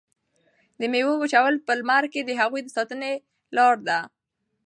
د میوو وچول په لمر کې د هغوی د ساتنې لاره ده.